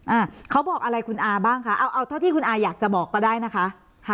อ่าเขาบอกอะไรคุณอาบ้างคะเอาเอาเท่าที่คุณอาอยากจะบอกก็ได้นะคะค่ะ